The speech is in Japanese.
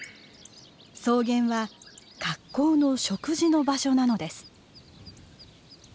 草原は格好の食事の場所なのです。